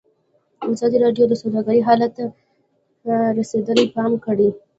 ازادي راډیو د سوداګري حالت ته رسېدلي پام کړی.